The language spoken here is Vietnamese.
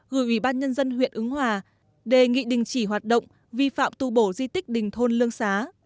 gửi ủy ban nhân dân huyện ứng hòa đề nghị đình chỉ hoạt động vi phạm tu bổ di tích đình thôn lương xá